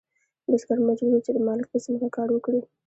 بزګر مجبور و چې د مالک په ځمکه کار وکړي.